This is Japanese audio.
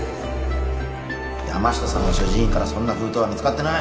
山下さんの所持品からそんな封筒は見つかってない